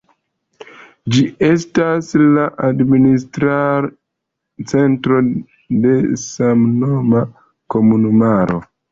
Ĝi estas la administra centro de samnoma komunumaro.